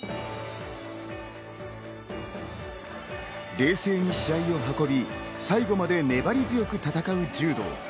冷静に試合を運び、最後まで粘り強く戦う柔道。